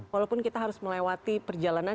walaupun kita harus melewati perjalanan